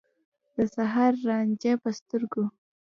د سحر رانجه په سترګو